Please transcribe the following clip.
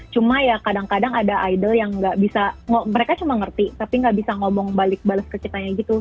cuma ya kadang kadang ada idol yang nggak bisa mereka cuma ngerti tapi nggak bisa ngomong balik bales ke citanya gitu